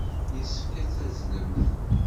Yessefk ad tazzlemt.